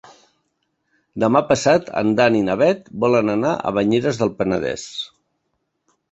Demà passat en Dan i na Bet volen anar a Banyeres del Penedès.